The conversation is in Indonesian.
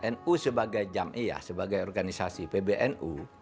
nu sebagai jam iya sebagai organisasi pbnu